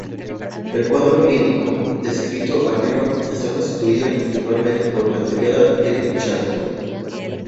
El cuadro clínico, descrito arriba, está constituido principalmente por la triada de Charcot.